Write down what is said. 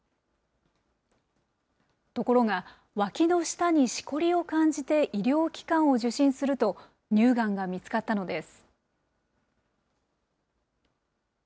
ところが、わきの下にしこりを感じて医療機関を受診すると、乳がんが見つかったのです。